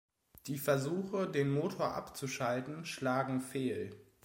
Die Versuche, den Motor abzuschalten, schlagen fehl.